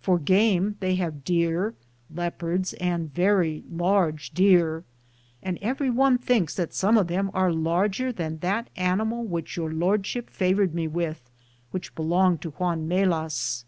For game they have deer, leopards, and very large deer,' and every one thinks that some of them are larger than that animal which Your Lordship favored me with, which belonged to Juan Melaz.